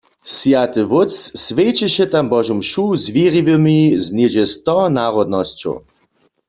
Swjaty wótc swjećeše tam Božu mšu z wěriwymi z něhdźe sto narodnosćow.